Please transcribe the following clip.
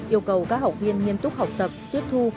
yêu cầu các học viên nghiêm túc học tập tiếp thu